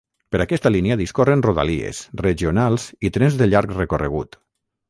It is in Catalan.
Per aquesta línia discorren rodalies, regionals i trens de llarg recorregut.